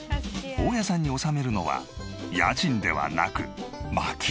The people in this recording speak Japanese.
大家さんに納めるのは家賃ではなく薪。